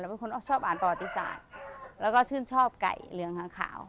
เราเป็นคนชอบอ่านตรติศาสตร์แล้วก็ชื่นชอบไก่เรืองขาว